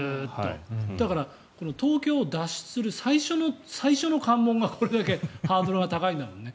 だから、東京を脱出する最初の関門がこれだけハードルが高いんだろうね。